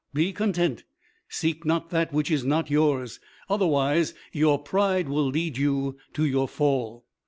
Be content; seek not that which is not yours. Otherwise your pride will lead you to your fall.'"